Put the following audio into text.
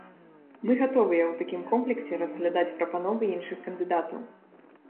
Мы гатовыя ў такім комплексе разглядаць прапановы іншых кандыдатаў.